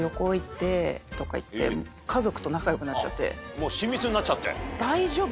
もう親密になっちゃって。